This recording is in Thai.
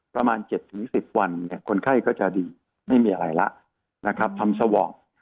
ประมาณ๗๑๐วันคนไข้ก็จะดีไม่มีอะไรแล้วนะครับทำสวอป